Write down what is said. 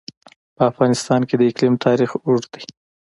په افغانستان کې د اقلیم تاریخ اوږد دی.